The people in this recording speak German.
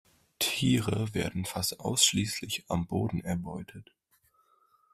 Tiere werden fast ausschließlich am Boden erbeutet.